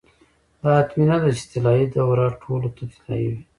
دا حتمي نه ده چې طلايي دوره ټولو ته طلايي وي.